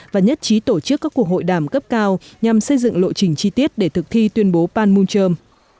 và nhất trí tổ chức các cuộc hội đàm cấp cao nhằm xây dựng lộ trình chi tiết để thực thi tuyên bố panmunjom